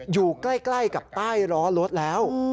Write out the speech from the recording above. อยู่ใกล้กับใต้ล้อรถแล้ว